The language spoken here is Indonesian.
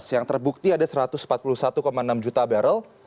yang terbukti ada satu ratus empat puluh satu enam juta barrel